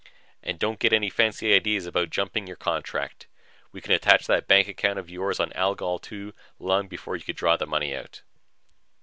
"And don't get any fancy ideas about jumping your contract. We can attach that bank account of yours on Algol II long before you could draw the money out."